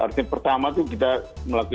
artinya pertama itu kita melakukan